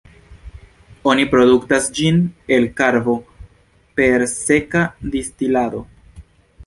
Oni produktas ĝin el karbo per seka distilado.